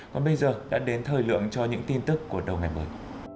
còn bây giờ đã đến thời lượng cho những tin tức của đầu ngày mới